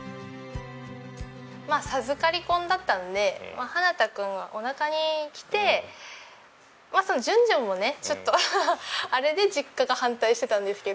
まあ授かり婚だったんで花太君がおなかにきてその順序もねちょっとあれで実家が反対してたんですけど